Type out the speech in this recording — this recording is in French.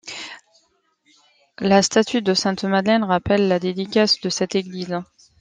La statue de sainte Madeleine rappelle la dédicace de cette église.